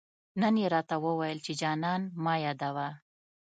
نن يې راته وويل، چي جانان مه يادوه